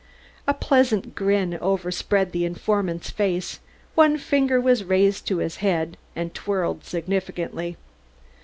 A pleasant grin overspread his informant's face; one finger was raised to his head and twirled significantly.